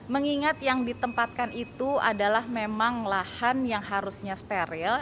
mengingat yang ditempatkan itu adalah memang lahan yang harusnya steril